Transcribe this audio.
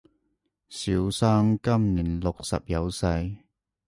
小生今年六十有四